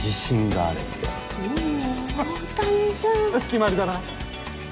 決まりだなフフ。